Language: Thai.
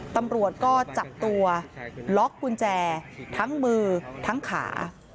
ตำรวจก็จับตัวล็อกกุญแจทั้งมือทั้งขา